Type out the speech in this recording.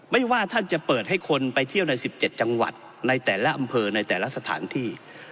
ไม่ว่าท่านจะเปิดให้คนไปเที่ยวใน๑๗จังหวัดในแต่ละอำเภอในแต่ละสถานที่